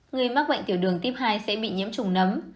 người mắc bệnh tiểu đường tuyếp hai sẽ bị nhiễm trùng nấm